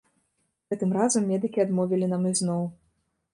Гэтым разам медыкі адмовілі нам ізноў.